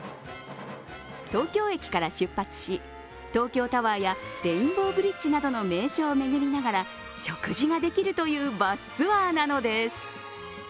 東京駅から出発し、東京タワーやレインボーブリッジなどの名所を巡りながら食事ができるというバスツアーなのです。